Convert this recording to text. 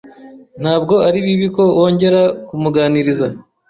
Ntabwo ari bibi ko wongera kumuganiriza.